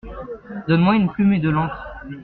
Donne-moi une plume et de l’encre.